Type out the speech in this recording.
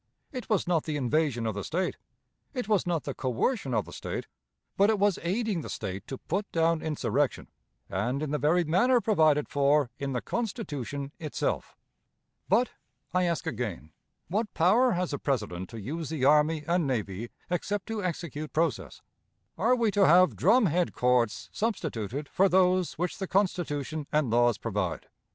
It was not the invasion of the State; it was not the coercion of the State; but it was aiding the State to put down insurrection, and in the very manner provided for in the Constitution itself. But, I ask again, what power has the President to use the army and navy except to execute process? Are we to have drum head courts substituted for those which the Constitution and laws provide?